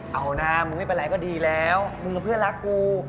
เอานะมึงไม่เป็นไรก็ดีแล้วมึงกับเพื่อนรักกู